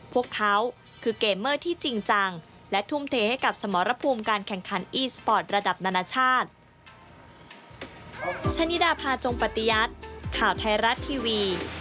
พวกเขาคือเกมเมอร์ที่จริงจังและทุ่มเทให้กับสมรภูมิการแข่งขันอีสปอร์ตระดับนานาชาติ